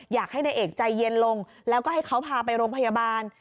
อยากให้นายเอกใจเย็นลงแล้วก็ให้เขาพาไปโรงพยาบาล